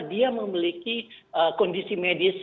dia memiliki kondisi medis